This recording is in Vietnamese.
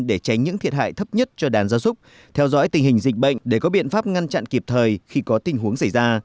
để tránh những thiệt hại thấp nhất cho đàn gia súc theo dõi tình hình dịch bệnh để có biện pháp ngăn chặn kịp thời khi có tình huống xảy ra